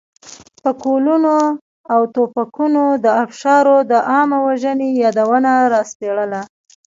پکولونه او توپکونو د ابشارو د عامه وژنې یادونه راسپړله.